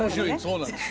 そうなんですよ。